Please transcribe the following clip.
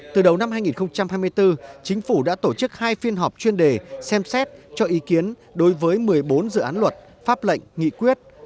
từ đầu năm hai nghìn hai mươi bốn chính phủ đã tổ chức hai phiên họp chuyên đề xem xét cho ý kiến đối với một mươi bốn dự án luật pháp lệnh nghị quyết